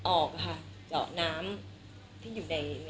ออกอ่ะค่ะเจาะน้ำที่อยู่ในท้องเนี่ยค่ะ